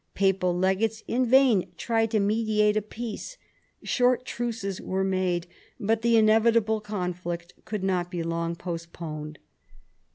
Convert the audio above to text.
Papal legates in vain tried to mediate a peace. Short truces were made, but the inevitable conflict could not be long postponed.